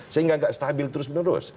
sehingga tidak stabil terus menerus